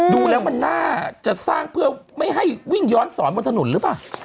ดูแล้วมันน่าจะสร้างเพื่อไม่ให้วิ่งย้อนสอนบนถนนหรือเปล่า